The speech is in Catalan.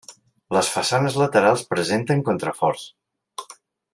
Les façanes laterals presenten contraforts.